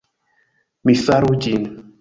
Mi faru ĝin.